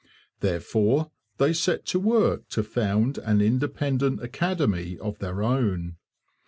Therefore they set to work to found an independent 'academy' of their own.